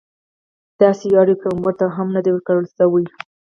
داسې ویاړ یو پیغمبر ته هم نه دی ورکړل شوی.